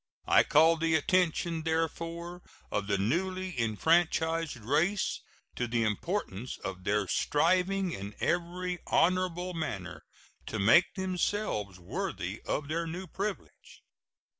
I call the attention, therefore, of the newly enfranchised race to the importance of their striving in every honorable manner to make themselves worthy of their new privilege.